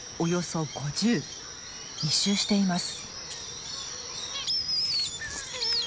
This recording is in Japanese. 密集しています。